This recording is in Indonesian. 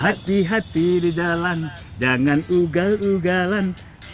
hati hati di jalan jangan ugal ugalan